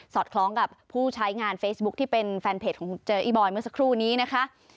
คล้องกับผู้ใช้งานเฟซบุ๊คที่เป็นแฟนเพจของเจออีบอยเมื่อสักครู่นี้นะคะ